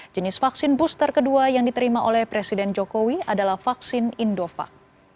jenis vaksin booster kedua yang diterima oleh presiden jokowi adalah vaksin indovac